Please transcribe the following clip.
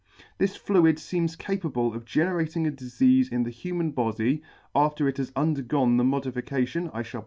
This fluid feems ca pable of generating a difeafe in the human body (after it has undergone the modification I fhall * The late.